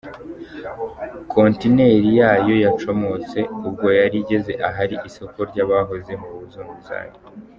Kontineri yayo yacomotse ubwo yari igeze ahari isoko ry’ abahoze mu buzunguzayi.